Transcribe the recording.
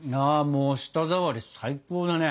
もう舌触り最高だね。